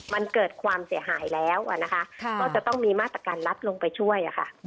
มันเกิดความเสียหายแล้วก็จะต้องมีมาตรการรับลงไปช่วยค่ะ